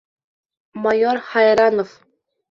Майор Һайранов.